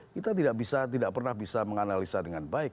kita tidak bisa tidak pernah bisa menganalisa dengan baik